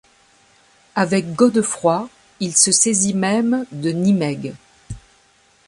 Avec Godefroid, il se saisit même de Nimègue.